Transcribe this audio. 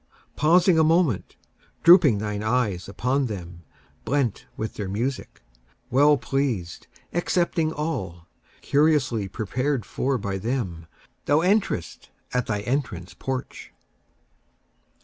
pausing a moment, drooping thine eyes upon them, blent with their music, Well pleased, accepting all, curiously prepared for by them, Thou enterest at thy entrance porch.